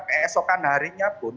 keesokan harinya pun